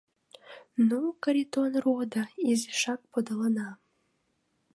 Ну, Каритон родо, изишак подылына!